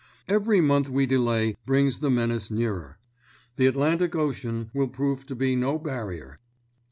Every month we delay brings the menace nearer. The Atlantic Ocean will prove to be no barrier.